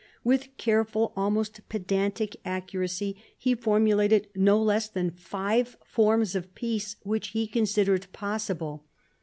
With careful, almost pedantic accuracy, he formulated no less than ^ve forms of peace which he considered possible.